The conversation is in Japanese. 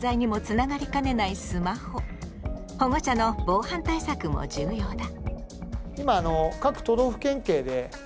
保護者の防犯対策も重要だ。